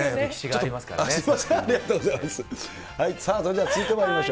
ありがとうございます。